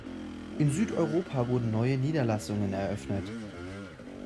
In Südeuropa wurden neue Niederlassungen eröffnet.